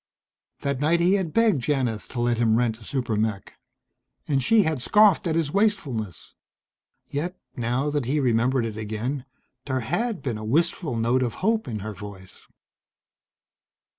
That night he had begged Janith to let him rent a super mech. And she had scoffed at his wastefulness. Yet, now that he remembered it again, there had been a wistful note of hope in her voice.